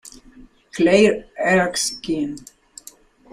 Clair Erskine.